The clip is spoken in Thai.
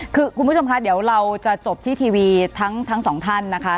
คือคุณผู้ชมคะเดี๋ยวเราจะจบที่ทีวีทั้งสองท่านนะคะ